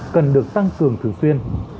cần được tăng cường thường xuyên